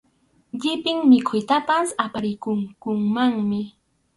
Llipin mikhuytapas aparikunkumanmi.